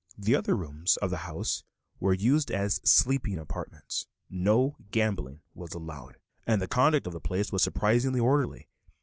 The other rooms of the house were used as sleeping apartments. No gambling was allowed, and the conduct of the place was surprisingly orderly.